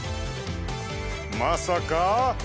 まさか？